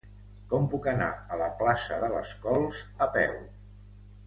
Com puc anar a la plaça de les Cols a peu?